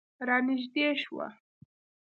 رانږدې شوه.